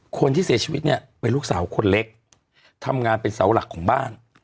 คนที่เสียชีวิตเนี่ยเป็นลูกสาวคนเล็กทำงานเป็นเสาหลักของบ้าน